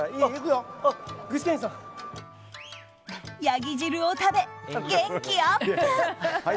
ヤギ汁を食べ、元気アップ！